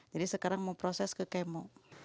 jadi sekarang mau proses ke kemo